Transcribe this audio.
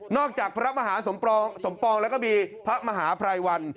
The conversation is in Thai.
นอกจากพระมหาสมปองแล้วก็มีพระมหาพรายวัน